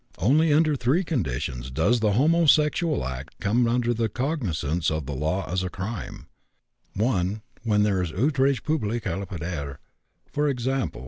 Only under three conditions does the homosexual act come under the cognizance of the law as a crime: (1) when there is outrage public à la pudeur, i.e.